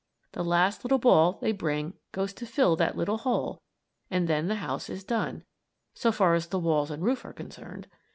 The last little ball they bring goes to fill that little hole and then the house is done, so far as the walls and roof are concerned.